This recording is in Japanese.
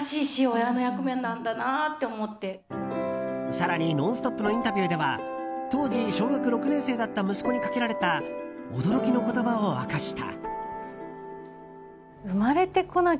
更に「ノンストップ！」のインタビューでは当時、小学６年生だった息子にかけられた驚きの言葉を明かした。